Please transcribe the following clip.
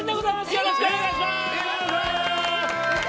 よろしくお願いします！